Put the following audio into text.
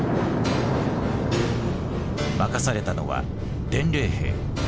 任されたのは伝令兵。